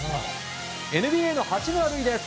ＮＢＡの八村塁です。